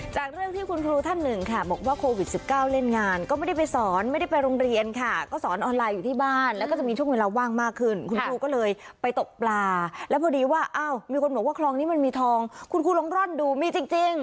จากเรื่องที่คุณครูท่านหนึ่งค่ะบอกว่าโควิด๑๙เล่นงานก็ไม่ได้ไปสอนไม่ได้ไปโรงเรียนค่ะก็สอนออนไลน์อยู่ที่บ้านแล้วก็จะมีช่วงเวลาว่างมากขึ้นคุณครูก็เลยไปตกปลาแล้วพอดีว่าอ้าวมีคนบอกว่าคลองนี้มันมีทองคุณครูลองร่อนดูมีจริง